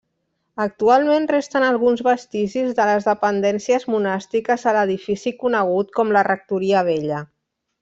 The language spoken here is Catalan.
Actualment resten alguns vestigis de les dependències monàstiques a l'edifici conegut com la Rectoria Vella.